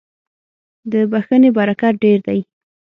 • د بښنې برکت ډېر دی.